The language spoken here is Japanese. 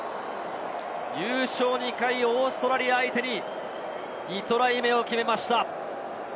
優勝２回オーストラリア相手に２トライ目を決めました。